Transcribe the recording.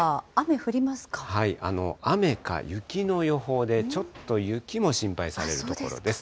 雨か雪の予報で、ちょっと雪も心配されるところです。